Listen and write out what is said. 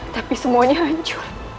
tapi semuanya hancur